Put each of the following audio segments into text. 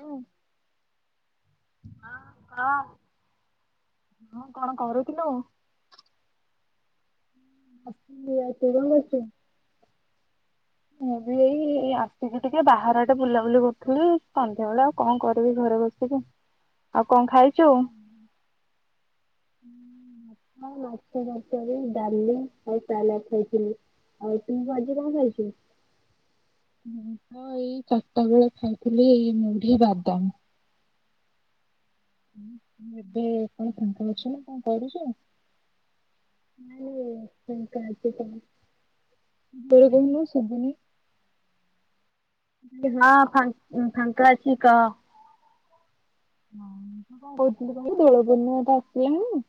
ଓ ହଁ ହଁ। ହଁ କଣ କରୁଥିଲୁ। ବସିଛଆଉ ତୁ କଣ କରଛୁ। ମୁଁ ବିଏଇ। ଏଇ ଆସିକି ଟିକେ ବାହାର ଟେ ବୁଲାବୁଲି କରୁଥିଲୁ ସନ୍ଧ୍ୟା ବେଳେ ଆଉ କଣ କରିବି ଘରେ ବସିକି। ଆଉ କଣ ଖାଇଛୁ। ଭାତ ମାଛ ତରକାରୀ ଡାଲି ଆଉ ସାଲାଟ ଖାଇଥିଲି। ଆଉ ତୁମ ଆଜି କଣ ଖାଇଛୁ। ହ ମୁଁ ତ ଏଇ ଚାରିଟା ବେଳେ ଖାଇଥିଲି ଏଇ ମୁଢି ବାଦାମ। ଏବେ କଣ ଫାଙ୍କା ଅଛୁନା କଣ କରୁଛୁ। ମାନେ ଫାଙ୍କା ଅଛିତ। ବର କମ ନ ସବୁନ [unintelligible] ନା ଫ ଫାଙ୍କା ଅଛିି କହ? ହ କହୁଥିଲ ଭାଇ ତୋଳ ପଣ ତ [unintelligible] ଆସିଲଣି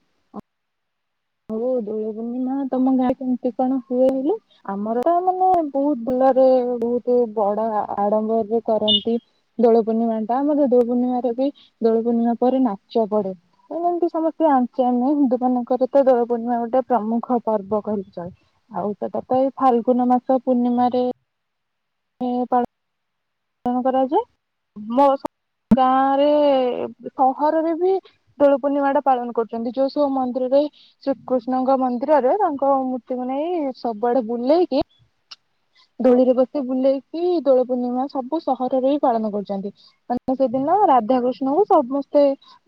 ହଉ ଦୋଳ ପୂର୍ଣ୍ଣିମା ତମ ଗାଁ କେମତି କଣ ହୁଏ ବୋଲି, ଆମର ତ ମାନେ ବହୁତ ବହୁତ ବଡ ଆଡମ୍ବରରେ କରନ୍ତି ଦୋଳ ପୂର୍ଣ୍ଣିମା ଟା ଆମର ଦୋଳ ପୂର୍ଣ୍ଣିମା ବି ଦୋଳି ପୂର୍ଣ୍ଣିମା ପରେ ନାଚ ପଡେ, ଏ ଯେମିତି ସମସ୍ତେ ଆଞ୍ଚେ ଆମେ ହିନ୍ଦୁ ମାନଙ୍କର ଦୋଳ ପୂର୍ଣ୍ଣିମା ଗୋଟେ ପ୍ରମୁଖ ପର୍ବ କହିଚ ଆଉ ସେଟା ତ ଏଇ ଫାଲଗୁନ ମାସ ପୂର୍ଣ୍ଣିମା ହ [unintelligible] ପାଳ ପାଳନ କରାଯାଏ, ମୋ ଗାଁରେ ସହରରେ ବି ଦୋଳ ପୂର୍ଣ୍ଣିମା ଟା ପାଳନ କରୁଛନ୍ତି, ଯୋଉ ସବୁ ମନ୍ଦିର ଶ୍ରୀକୃଷ୍ଣଙ୍କ ମନ୍ଦିରରେ, ତାଙ୍କ ମୂର୍ତ୍ତିକୁ ନେଇ ସବୁଆଡେ ବୁଲେଇକି ଦୋଳିରେ ବସି ବୁଲେଇକି, ଦୋଳ ପୂର୍ଣ୍ଣିମା ସବୁ ସହରରେ ହି ପାଳନ କରୁଛନ୍ତି, କାର ସେଦିନ ରାଧାକୃଷ୍ଣଙ୍କୁ ସମସ୍ତେ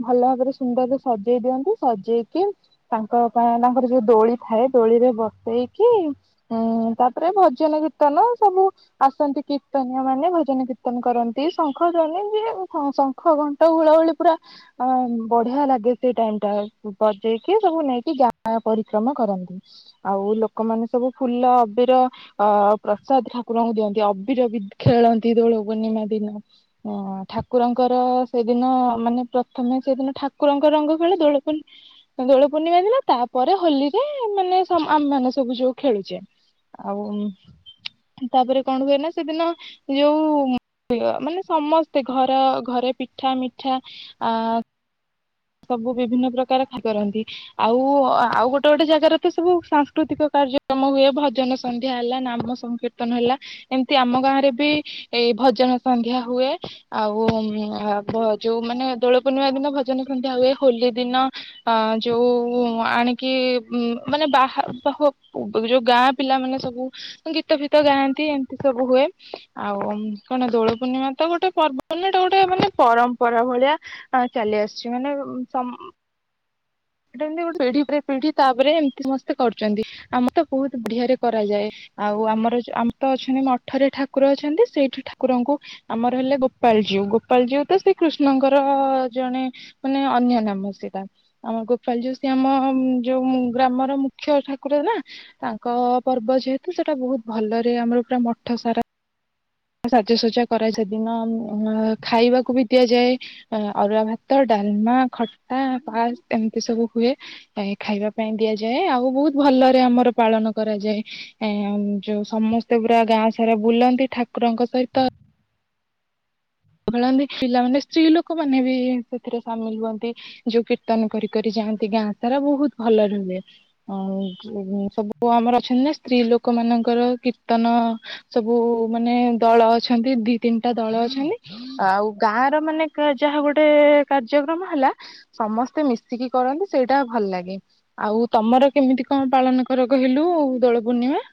ଭଲ ଭାବରେ ସୁନ୍ଦରରେ ସଜେଇ ଦିଅନ୍ତି, ସଜେଇକି ତାଙ୍କ ତାଙ୍କର ଯୋଉ ଦୋଳି ଥାଏ ଦୋଳି ରେ ବସେଇ ତାପରେ ଭଜନ କୀର୍ତ୍ତନ, ସବୁ ଆସନ୍ତି କୀର୍ତ୍ତନୀୟ ମାନେ ଭଜ ନ କୀର୍ତ୍ତନ କରନ୍ତି, ଶଙ୍ଖ ଜଣେ ଯି ଶଙ୍ଖ ଘଣ୍ଟ ଗୁଳାହୁଳି ପୁରା ବଢ ଲାଗେ ସେ ଟାଇ ଟା, ବଜେଇକି ସବୁ ନେଇକି ଗା ପରିଶ୍ରମ କରନ୍ତି ଆଉ ଲୋକମାନେ ସବୁ ଫୁଲ ଅବିର ଅ ପ୍ରସାଦ ଠାକୁରଙ୍କୁ ଦିଅନ୍ତି, ଅବିର ବି ଖେଳନ୍ତି। ଦୋଳ ପୂର୍ଣ୍ଣିମା ଦିନ, ଠାକୁରଙ୍କର ସେଦିନ ମାନେ ପ୍ରଥମେ ସେଦିନ ଠାକୁରଙ୍କ ରଙ୍ଗ ଖେଳ ଦୋଳ ପ, ଦୋଳ ପୂର୍ଣ୍ଣିମା ଦିନ ତାପରେ ହୋଲିରେ ମାନେ ସବୁ ଯୋଉ ଖେଳୁଛେ, ଆଉ ତାପରେ କଣ ହୁଏ ନା ସେଦିନ ଯୋଉଁ ମାନେ ସମସ୍ତେ ଘର ଘରେ ପିଠା ମିଠା, ଆ ସବୁ ବିଭିନ୍ନ ପ୍ରକାର କରନ୍ତି, ଆଉ ଆଉ ଗୋଟେ ଗୋଟେ ଜାଗାରେ ତ ସବୁ ସାଂସ୍କୃତିକ କାର୍ଯ୍ୟକ୍ରମ ହୁଏ, ଭଜନ ସନ୍ଧ୍ୟା ହେଲା, ନାମ ସଂକୀର୍ତ୍ତନ ହେଲା, ଏମିତି ଆମ ଗାଁ ରେ ବି ଏ ଭଜନ ସନ୍ଧ୍ୟା ହୁଏ ଆଉ ଯୋଉ ମାନେ ଦୋଳ ପୂର୍ଣ୍ଣିମା ଦିନ ଭଜନ ହୁଏ, ହୋଲି ଦିନ ଯୋଉ ଆଣିକି ମାନେ ବା ଯୋଉ ଗାଁ ପିଲାମାନେ ସବୁ ଗୀତ ଫିତ ଗାଆନ୍ତି, ଏମତି ସବୁ ହୁଏ ଆଉ କଣ ଦୋଳ ପୂର୍ଣ୍ଣିମା ତ ଗୋଟେ ପର୍ବ ନା, ଏଟା ଗୋଟେ ମାନେ ପରମ୍ପରା ଭଳିଆ ଚାଲିଆସେ ଛି ମାନେ ଟ ଏମତି ଗୋଟେ ପିଢି ପିଢି ତାପରେ ଏମିତି ସମସ୍ତେ କରୁଛନ୍ତି ଆମର ତ ବହୁତ ବଢିଆରେ କରାଯାଏ। ଆଉ ଆମର, ଆମର ତ ଅଛନ୍ତି ଅଠରେ ଠାକୁର ଅଛନ୍ତି ସେଇଠି ଠାକୁରଙ୍କୁ ଆମର ହେଲେ ଗୋପାଳ ଜଉ ଗୋପାଳ ଜଉ ତ ସେ କୃଷ୍ଣଙ୍କର ଜଣେ ମାନେ ଅନ୍ୟ ନାମ ସିଟା ଆମ ଗୋପାଳ ଜୀଉ, ଆମ ଯୋଉ ଗ୍ରାମର ମୁଖ୍ୟ ଠାକୁର ନା ତାଙ୍କ ପର୍ବ ଯେହେତୁ ସେଟା ବହୁତ ଭଲରେ ଆମର ପୁରା ମଠ ସାରା ସାଜସଜା କରାଏ, ସେଦିନ ଖାଇବାକୁ ବି ଦିଆଯାଏ। ଅରୁଆ ଭାତ ଡାଲମା ଖଟା ପାସ ଏମିତି ସବୁ ହୁଏ ଖାଇବା ପାଇଁ ଦିଆଯାଏ, ଆଉ ବହୁତ ଭଲ ଭଲରେ ଆମର ପାଳନ କରାଯାଏ, ଯୋଉ ସମସ୍ତେ ପୁରା ଗାଁ ସାରା ବୁଲନ୍ତି ଠାକୁ ଠାକୁରଙ୍କ ସହିତ ଖଳନ୍ତି ପିଲାମାନେ ସ୍ତ୍ରୀ ଲୋକ ମାନେ ବି ସେଥିରେ ସାମିଲ ହୁଅନ୍ତି ଯୋଉ କୀର୍ତ୍ତନ କର କରି ଯା ଗାଁ ସାରା ବହୁତ ଭଲ ରୁହେ, ସବୁ ଆମର ଅଛନ୍ତି ନା ସ୍ତ୍ରୀ ଲୋକ ମ ମାନଙ୍କର କୀର୍ତ୍ତନ ସବୁ ମାନେ ଦଳ ଅଛନ୍ତି, ଦି ତିନିଟା ଦଳ ଅଛନ୍ତି। ଆଉ ଗାଁ ର ମାନେ ଯାହା ଗୋଟେ କାର୍ଯ୍ୟକ୍ରମ ହେଲା ସମସ୍ତେ ମିଶିକି ଳ ସେଇଟା ଭଲ ଲାଗେ, ଆଉ ତମର କେମିତି କଣ ପାଳନ କର କହିଲୁ -ଦୋଳ ପୂର୍ଣ୍ଣିମା [inaudible]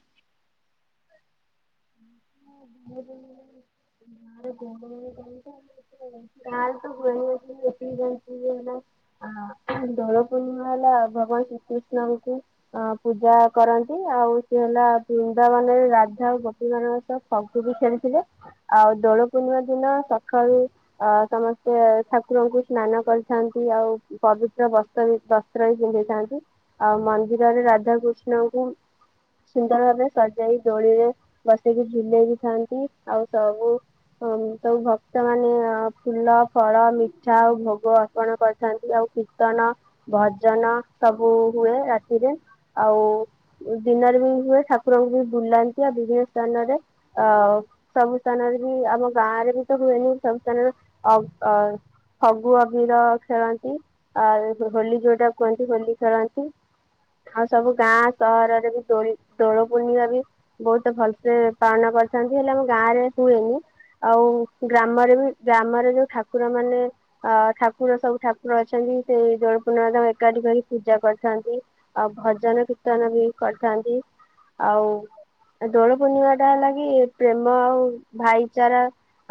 ହ ବ [unintelligible] ଘାଇ ତ ଘ ଯାଇଲା [unintelligible] ଆ ଦୋଳ ପୂର୍ଣ୍ଣିମା ହେଲା, ଭଗବାନ ଶ୍ରୀକୃଷ୍ଣଙ୍କୁ ଅ ପୂଜା କରନ୍ତି। ଆଉ ସେ ହେଲା ବୃନ୍ଦା ମାନରେ ରାଧା ଆ ବାର ମାସ ଫଗୁ ବି ଖେଳିଥିଲେ ଆଉ ଦୋଳ ପୂର୍ଣ୍ଣିମା ଦିନ ସକାଳୁ ଅ ସମସ୍ତେ ଉଏ ଠାକୁରଙ୍କୁ ସ୍ନାନ କରିଥାନ୍ତି ଆଉ ପବିତ୍ର ବସ୍ତ୍ର ବି ବସ୍ତ୍ର ବି ପିନ୍ଧେଇଥାନ୍ତି। ଆଉ ମନ୍ଦିରରେ ରାଧାକୃଷ୍ଣଙ୍କୁ ସୁନ୍ଦର ଭାବେ ସଜାଇ ଦୋଳିରେ ବସେଇକି ଝୁଲେଇ ବି ଥାନ୍ତି ଆଉ ସବୁ ହଁ ତାଙ୍କୁ ଭକ୍ତମାନେ ଅ ଫୁଲ ଫଳ ମିଠା ଆଉ ଭୋଗ ଅର୍ପଣ କରିଥାନ୍ତି ଆଉ କୀର୍ତ୍ତନ ଭଜନ ସବୁ ହୁଏ ରାତିରେ ଆଉ ଦିନ ରେ ବି ହୁଏ ଠାକୁରଙ୍କୁ ବି ବୁଲାନ୍ତି ଆଉ ବିଭିନ୍ନ ସ୍ଥାନରେ ଅ ସବୁ ସ୍ଥାନରେ ବି ଆମ ଗାଁରେ ବି ତ ହୁଏନି ସବୁ ସ୍ଥାନରେ ଅ ଅ ଫଗୁ ଅବିର ଖେଳନ୍ତି ଆ ହୋଲି ଯୋଉଟା କୁହନ୍ତି ହୋଲି ଖେଳନ୍ତି। ଆଉ ସବୁ ଗାଁ ସହରରେ ବି ଦୋଳି ଦୋଳପୂର୍ଣ୍ଣିମା ବି ବୋହୁତ ଭଲ ସେ ପାଳନ କରିଥାନ୍ତି ହେଲେ ଆମ ଗାଁରେ ହୁଏନି। ଆଉ ଗ୍ରାମରେ ବି ଗ୍ରାମରେ ଯୋଉ ଠାକୁର ମାନେ ଅ ଠାକୁର ସବୁ ଠାକୁର ଅଛନ୍ତି। ତି ସେ ଜୋଳପୂର୍ଣ୍ଣିମାଟା ଏକାଠି କରି ପୂଜା କରିଥାନ୍ତି ଆଉ ଭଜନ କୀର୍ତ୍ତନ ବି କରିଥାନ୍ତି। ଆଉ ଦୋଳପୂର୍ଣ୍ଣିମାଟା ହେଲା କିି ପ୍ରେମ ଆଉ ଭାଇଚାରା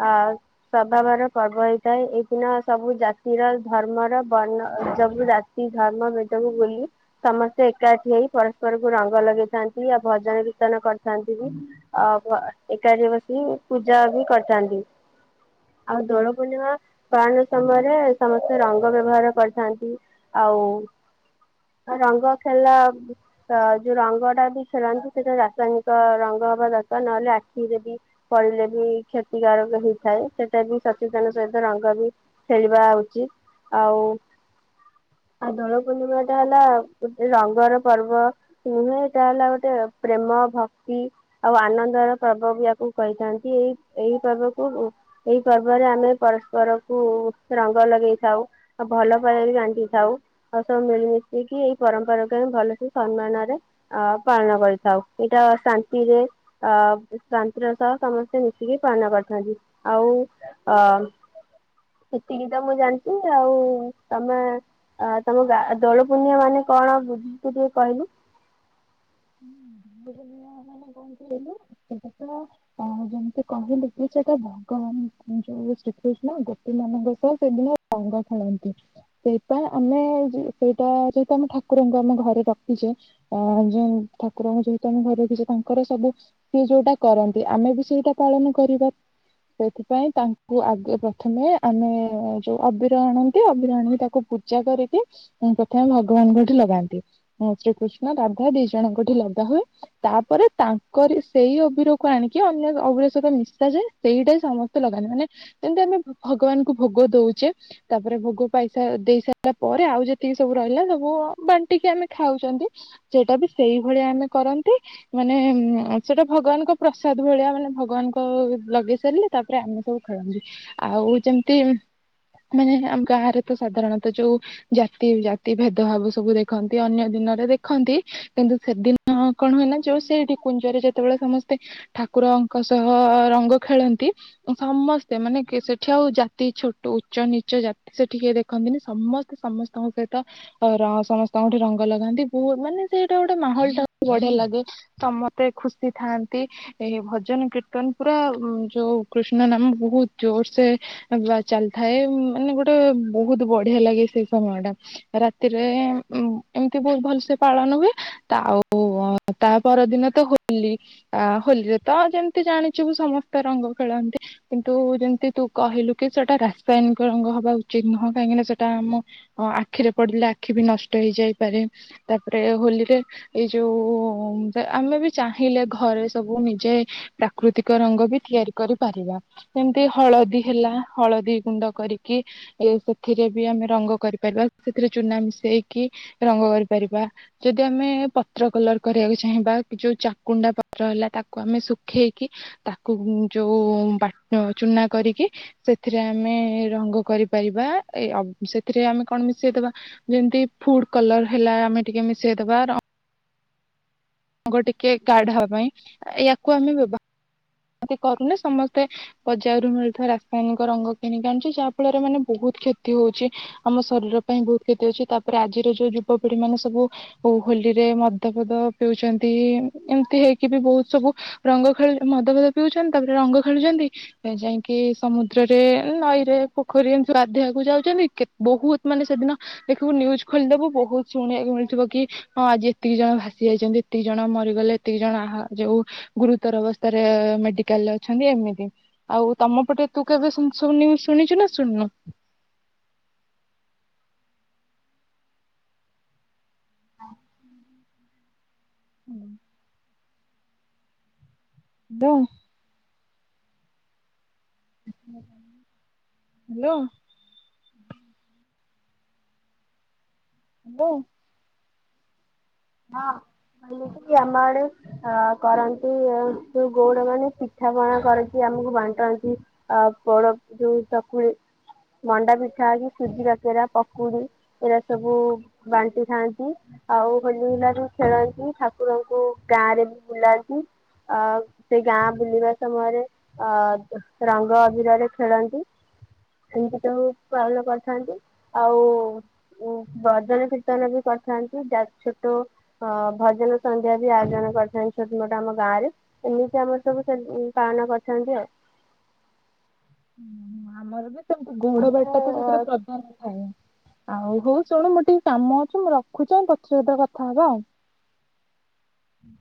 ଆଉ ସଭାବର ପର୍ବ ହେଇଥାଏ ଏଇ ଦିନ ସବୁ ଜାତିର ଧର୍ମର ବର୍ଣ୍ଣ ସବୁ ଜାତି ଧର୍ମ ଭେଦକୁ ଭୁଲି ସମସ୍ତେ ଏକାଠି ହେଇ ପରସ୍ପରକୁୁ ରଙ୍ଗ ଲଗେଇଥାନ୍ତି। ଇଆ ଭଜନ କୀର୍ତ୍ତନ କରିଥାଁ ତି ବି ଆ ଭ ଏକାଠି ବସି ପୂଜା ବି କରିଥାନ୍ତି। ଆଉ ଦୋଳପୂର୍ଣ୍ଣିମା ପାଳନ ସମୟରେ ସମସ୍ତେ ରଙ୍ଗ ବ୍ୟବହାର କରିଥାନ୍ତି। ଆଉ ରଙ୍ଗ ଖେଲା ଅ ଯୋଉ ରଙ୍ଗଟା ବି ଖେଳନ୍ତି ସେଟା ରାସାୟନି କ ରଙ୍ଗ ହବା ଦରକାର ନହେଲେ ଆଖିରେ ବି ପଡ଼ିଲେ ବି କ୍ଷତିକାରକ ହେଇଥାଏ ସେଟା ବି ସଚେତନ ସହିତ ରଙ୍ଗ ବି ଖେଳିବା ଉଚିତ ଆଉ ହ ଆ ଦୋଳପୂର୍ଣ୍ଣିମାଟା ହେଲା ଗୋଟେ ରଙ୍ଗର ପର୍ବ ନୁହେଁ ଏଟା ହେଲା ଗୋଟେ ପ୍ରେମ ଭ ହ ଆଉ ଆନନ୍ଦର ପର୍ବ ବି ଆକୁ କହିଥାନ୍ତି ଏଇ ଏହି ପର୍ବକୁ ଉ ଏଇ ପର୍ବରେ ଆମେ ପର୍ ଷ୍ପରକୁ ରଙ୍ଗ ଲଗେଇ ଥାଉ ଆଉ ଭଲପାଇବା ବି ବାଣ୍ଟିଥାଉ ଆଉ ସବୁ ମିଳିମିଶି ଇକି ଏଇ ପରମ୍ପରାକୁ ଆମେ ଭଲସେ ସନ୍ମାନରେ ଅ ପାଳନ କରିଥାଉ ଏଇଟା ଶାନ୍ତିରେ ଅ ଶାନ୍ତିର ସହ ସମସ୍ତେ ମିଶିକି ପାଳନ କରିଥାନ୍ତି ଆଉ ଅ ସେତିକି ତ ମୁଁ ଜାଣିଚି ଆଉ ତମେ ଆ ତମ ଗା ଦୋଳପୁର୍ଣ୍ଣିମା ମାନେ କଣ ବୁଝୁଚୁ ଟିକେ କହିଲୁ। ହୁଁ ବୋଧେ ନୂଆ ମାନେ କଁ କହିଲୁ ଏଟାଟା ତା ଅ ଯେମତି କହିଲୁ କି ସେଇଟା ଭଗବାନ ଯୋଉ ଯେ ଶ୍ରୀକୃଷ୍ଣ ଗୋପୀମାନଙ୍କ ସହ ସେଦିନ ରଙ୍ଗ ଖେଳନ୍ତି। ସେଇଥିପାଇଁ ଆମେ ଯେ ସେଇଟା ଯେହେତୁ ଆମେ ଠାକୁରଙ୍କୁ ଆମେ ଘରେ ରଖିଚେ ଆ ଯେ ଠାକୁରଙ୍କୁ ଯେହେତୁ ଆମେ ଘରେ ରଖିଚେ ତାଙ୍କର ସବୁ ସିଏ ଯୋଉଟା କରନ୍ତି ଆମେ ବି ସେଇଟା ପାଳନ କରିବା। ସେଥିପାଇଁ ତାଙ୍କୁ ଆଗେ ପ୍ରଥମେ ଆମେ ଯୋଉ ଅବିର ଆଣନ୍ତି ଅବିର ଆଣିକି ତାକୁ ପୂଜା କରିକି ଉଁ ପ୍ରଥମେ ଭଗବାନଙ୍କଠି ଲଗାନ୍ତି ଶ୍ରୀକୃଷ୍ଣ ରାଧା ଦି ଜଣଙ୍କଠି ଲଗା ହୁଏ ତାପରେ ତାଙ୍କରି ସେଇ ଅବିରକୁ ଆଣିକି ଅନ୍ୟ ଅବିର ସହିତ ମିଶା‌ ଯାଏ ସେଇଟା ସମସ୍ତେ ଲଗାନ୍ତି ମାନେ ଯେମତି ଆମେ ଭ ଭଗବାନଙ୍କୁ ଭୋଗ ଦୋଉଚେ ତାପରେ ଭୋଗ ପାଇ ସେ ଦେଇ ସାଇଲା ପରେ ଆଉ ଯେତିକି ସବୁ ରହିଲା ସବୁ ବାଣ୍ଟିକି ଆମେ ଖାଉଚନ୍ତ ସେଇଟା ବି ସେଇ ଭଳିଆ ଆମେ କରନ୍ତି ମାନେ ସେଟା ଭଗବାନଙ୍କ ପ୍ରସାଦ ଭଳିଆ ମାନେ ଭଗବାନଙ୍କ ଲଗେଇ ସାରିଲେ ତାପରେ ଆମେ ସବୁ ଖେଳନ୍ତି ଆଉ ଯେମତି ମାନେ ଆମ ଗାଁରେ ତ ସାଧାରଣତଃ ଯୋଉ ଜାତି ଜାତି ଭେଦଭାବ ସବୁ ଦେଖନ୍ତି ଅନ୍ୟ ଦି ନରେ ଦେଖନ୍ତି କିନ୍ତୁ ସେଦିନ କଣ ହୁଏ ନାଁ ଯୋଉ ସେଇଠି କୁଞ୍ଜରେ ଯେତବେଳେ ସମସ୍ତେ ଠାକୁରଙ୍କ ସହ ରଙ୍ଗ ଖେଳନ୍ତି ସମସ୍ତେ ମାନେ କିଏ ସେଠି ଆଉ ଜାତି ଛୋଟ ଉଚ୍ଚ ନିଚ ଜାତି ସେଠି କିଏ ଦେଖନ୍ତିନି ସମସ୍ତେ ସମସ୍ତଙ୍କ ସହିତ ଅ ର ସମସ୍ତଙ୍କଠି ରଙ୍ଗ ଲଗାନ୍ତି ବୋହୁ ମାନେ ସେ ଟେ ଗୋଟେ ଗୋଟେ ମାହୋଲଟା ବଢ଼ିଆ ଲାଗେ ସମତେ ଖୁସି ଥାଆନ୍ତି ଇ ଭଜନ କୀର୍ତ୍ତନ ପୁରା ଯୋଉ କୃଷ୍ଣ ନାମ ବହୁତ ଜୋର ସେ ଚାଲିଥାଏ ମାନେ ଗୋଟେ ବହୁତ ବଢିଆ ଲାଗେ ସେଇ ସମୟ ଟା ରାତିରେ ଏମିତି ବହୁତ ଭଲସେ ପାଳନ ହୁଏ। ତ ଆଉ ତା ପରଦିନ ତ ହୋଲି ଆ ହୋଲିରେ ତ ଯେମତି ଜାଣିଛିବୁ ସମସ୍ତ ରଙ୍ଗ ଖେଳ ନ୍ତି କିନ୍ତୁ ଯେମିତି ତୁ କହିଲୁ କି ସେଟା ରାସାୟନିକ ରଙ୍ଗ ହବା ଉଚିତ୍ ନୁହଁ କାହିଁକି ନା ସେଟା ଆମ ଅ ଆଖିରେ ପଡିଲେ ଆଖି ବି ନଷ୍ଟ ହେଇଯାଇପାରେ ତାପରେ ହୋଲି ଏଇ ଯୋଉ ଆମେ ବି ଚାହିଁଲେ ଘରେ ସବୁ ନିଜେ ପ୍ରାକୃତିକ ତିଆରି କରିପାରିବା ଯେମତି ହଳଦୀ ହେଲା ହଳଦୀ ଗୁଣ୍ଡ କରିକି ସେଥିରେ ବି ଆମେ ରଙ୍ଗ କରିପାରିବା। ସେଥିରେ ଚୁନା ମିଶେଇକି ରଙ୍ଗ କରିପାରିବା ଯଦି ଆମେ ପତ୍ର କଲର୍ କରିବାକୁ ଚାହିଁବା ଯେଉଁ ଚାକୁଣ୍ଡା ପତ୍ର ହେଲା ତାକୁ ଆମେ ଶୁଖେଇକି ତାକୁ ଯୋଉ ବାଟ ଚୁନା କରିକି ସେଥିରେ ଆମେ ରଙ୍ଗ କରିପା ଟିବା ସେଥିରେ ଆମେ କଣ ମିଶେଇଦବା ଯେମତି ଫୁଡ କଲର ହେଲା ଆମେ ଟିକେ ମି ମିଶେଇ ଦେବା ର ରଙ୍ଗ ଟିକେ ଗାର୍ଡ ହବା ପାଇଁ ୟାକୁ ଆମେ ବ୍ୟବହାର ଏମତି କରୁନି ସମସ୍ତେ ବଜାରରୁ ମିଳୁଥିବା ରାସାୟନିକ ରଙ୍ଗ କିଣିକି ଆଣୁଛି ଯାହା ଫଳରେ ମାନେ ବହୁତ କ୍ଷତି ହୋଉଛି ଆମ ଶରୀର ପାଇଁ ବହୁତ କ୍ଷତି ହୋଉଛି। ତାପରେ ଆଜିର ଯୋଉ ଯୁବପିଢି ମାନେ ସବୁ ହୋଲିରେ ମଦ ଫଦ ପିଉଚନ୍ତି ଏମତି ହେଇକି ବି ବହୁତ ସବୁ ରଙ୍ଗ ଖେଳ ମଦ ଫଦ ପିଉଚନ୍ତି ତାପରେ ରଙ୍ଗ ଖେଳୁଚନ୍ତି ଯାଇକି ସମୁଦ୍ରରେ, ନଈରେ, ପୋଖରୀ ଗାଧେଇବାକୁ ଯାଉଚନ୍ତି। ବହୁତ ମାନେ ସେଦିନ ଦେଖିବୁ ନିୟୁଜ ଖୋଲିଦବୁ ବହୁତ ଶୁଣିବାକୁ ମିଳଥିବ କି ହଁ ଆଜି ଏତିକି ଜଣ ଭାସି ଯାଇଛନ୍ତି, ଏତିକି ଜଣ ମରିଗଲେ, ଏତିକି ଜଣ ଯୋଉ ଗୁରୁତର ଅବସ୍ଥା ରେ ମେଡିକାଲରେ ଅଛନ୍ତି ଏମିତି। ଆଉ ତମ ପଟେ ତୁ କେବେ ସବୁ ନିୟୁଜ ଶୁଣିଛ ନା ଶୁଣି [inaudible] ହଁ। ବ। [inaudible] ହାଲୋ। ହାଲୋ। ହଁ। ମାନେ କି ଆମ ଆଡେ ଅ କରନ୍ତି ଯୋ ଗଉଡ ମାନେ ପିଠା ପଣା କରିକି ଆମକୁ ବାଣ୍ଟନ୍ତି। ଆ ପୋଡ଼ ଯୋଉ ଚକୁଳି ମଣ୍ଡା ପିଠା କି ସୁଜି କାକେରା, ପକୁଡି ଏଇଗୁରା ସବୁ ବାଣ୍ଟି ଥାନ୍ତି। ଆଉ ହୋଲି ହୁଲା ଯୋଉ ଖେଳାନ୍ତି ଠାକୁରଙ୍କୁ ଗାଁ ରେ ବି ବୁଲାନ୍ତି। ଅ ସେଇ ଗାଁ ବୁଲିବା ସମୟରେ ଅ ରଙ୍ଗ ଅଭିରରେ ଖେଳନ୍ତି। ଏମିତି ସବୁ ପାଳନ କରିଥାନ୍ତି। ଆଉ ଭଜନ କୀର୍ତ୍ତନ ବି କରିଥାନ୍ତି ଯା ଭଜନ ସନ୍ଧ୍ୟା ବି ଆୟୋଜନ କରିଥାନ୍ତି ଛୋଟ ମୋଟ ଆମ ଗାଁରେ। ଏମିତି ଆମର ସବୁ ସେ ଉଁ ପାଳନ କରିଥାନ୍ତି ଆଉ। ଆମର ବି ସେମିତି ଘୋଡ ଆଉ ବାଟା ତ ଆମର ସେଥିରେ ପ୍ରଧାନ ଥାଏ। ଆଉ ହଉ ଶୁଣୁ ମୁଁ ଟିକେ କାମ ଅଛି ମୁଁ ରଖୁଛି। ପଛରେ କେତେବେଳେ କଥା ହବା ଆଉ। ହୁଁ।